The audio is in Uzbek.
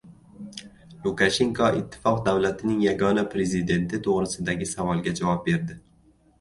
Lukashenko Ittifoq davlatining yagona prezidenti to‘g‘risidagi savolga javob berdi